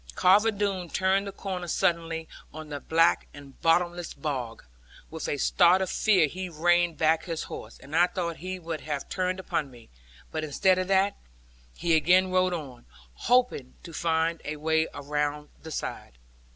Carver Doone turned the corner suddenly on the black and bottomless bog; with a start of fear he reined back his horse, and I thought he would have turned upon me. But instead of that, he again rode on; hoping to find a way round the side.